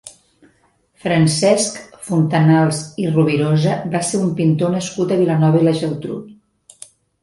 Francesc Fontanals i Rovirosa va ser un pintor nascut a Vilanova i la Geltrú.